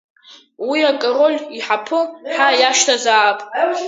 Уи Акороль иҳаԥы ҳәа иашьҭазаап.